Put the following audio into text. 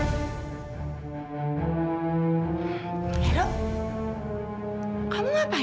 yang sedang ini aja tak ada